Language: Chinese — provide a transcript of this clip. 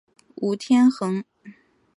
吴天垣。